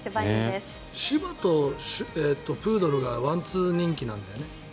柴とプードルがワンツー人気なんだよね。